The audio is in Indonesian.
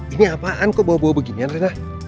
ini apaan kok bawa bawa beginian rina